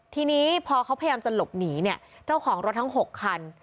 ทีนี้พอเขาพยายามจะหลบหนีเนี่ยเจ้าของรถทั้ง๖คัน